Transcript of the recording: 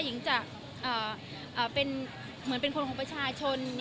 หญิงจะเป็นเหมือนเป็นคนของประชาชน